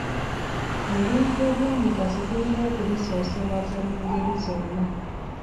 Ebintu eby’omugaso tulina okubisoosowaza mu ngeri zonna.